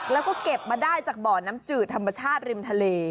แล้วก็เก็บมาได้จากบ่อน้ำจืดธรรมชาติริมทะเล